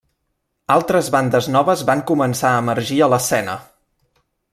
Altres bandes noves van començar a emergir a l'escena.